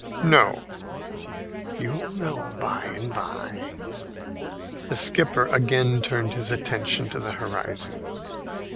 "No." "You'll know by and by." The skipper again turned his attention to the horizon.